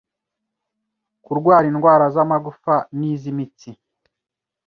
kurwara indwara z’amagufa n’iz’imitsi